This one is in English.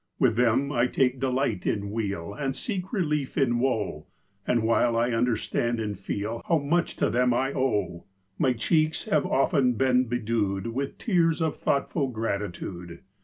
1 1 10 GEORGIAN VERSE With them I take delight in weal, And seek relief in woe; And while I understand and feel How much to them I owe, My cheeks have often been bedew'd With tears of thoughtful gratitude.